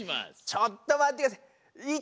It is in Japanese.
ちょっとまってください。